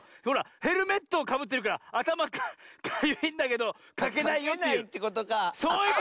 ほらヘルメットをかぶってるからあたまかゆいんだけどかけないよっていう。